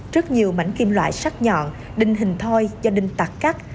trước nhiều mảnh kim loại sắt nhọn đinh hình thoi do đinh tạc cắt